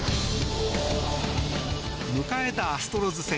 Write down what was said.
迎えたアストロズ戦。